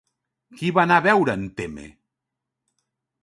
Qui va anar a veure a en Temme?